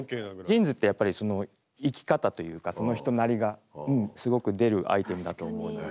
ジーンズってやっぱり生き方というかその人なりがすごく出るアイテムだと思うので。